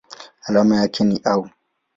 Alama yake ni Au.